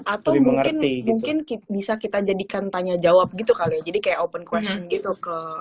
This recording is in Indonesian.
atau mungkin bisa kita jadikan tanya jawab gitu kali ya jadi kayak open question gitu ke